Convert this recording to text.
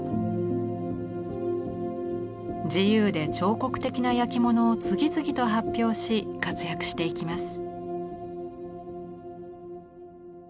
自由で彫刻的な焼き物を次々と発表し活躍していきます。